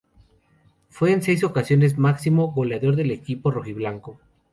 Fue en seis ocasiones máximo goleador del equipo rojiblanco.